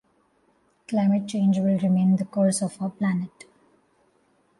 Climate change will remain the curse of our planet.